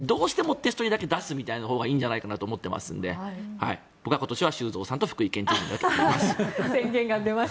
でも、どうしてもって人に出すみたいなほうがいいのかなと思ってますので僕は今年は修造さんと福井県知事だけに出します。